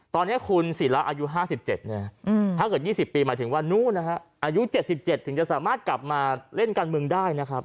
ตอนนี้คุณศิราอายุ๕๗ถ้าเกิด๒๐ปีหมายถึงว่านู้นนะฮะอายุ๗๗ถึงจะสามารถกลับมาเล่นการเมืองได้นะครับ